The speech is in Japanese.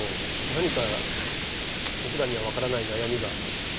何か僕らには分からない悩みが。